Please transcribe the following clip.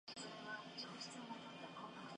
神奈川県秦野市